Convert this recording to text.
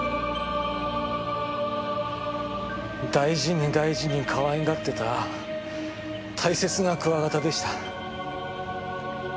大事に大事に可愛がってた大切なクワガタでした。